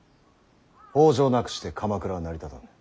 北条なくして鎌倉は成り立たぬ。